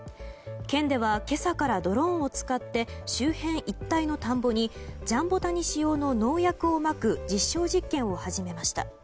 県では今朝からドローンを使って周辺一帯の田んぼにジャンボタニシ用の農薬をまく実証実験を始めました。